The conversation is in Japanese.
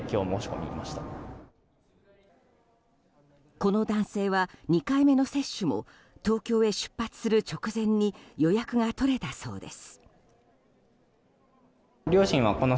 この男性は２回目の接種も東京へ出発する直前に予約が取れたそうです。